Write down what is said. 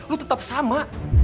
lo tetap sama